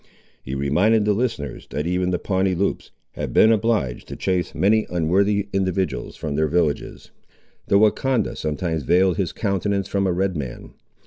He reminded the listeners that even the Pawnee Loups had been obliged to chase many unworthy individuals from their villages. The Wahcondah sometimes veiled his countenance from a Red man.